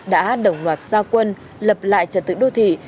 đã đồng loạt gia quân lập lại trật tự đô thị